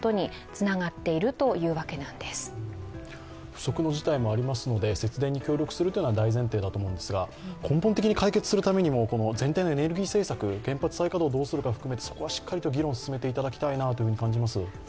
不測の事態もありますので節電に協力するというのは大前提だと思うんですけれども根本的に解決するためにも、この全体のエネルギー政策、原発再稼働をどうするかも含めてそこはしっかりと議論を進めていただきたいなと感じます。